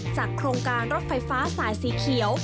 โครงการรถไฟฟ้าสายสีเขียว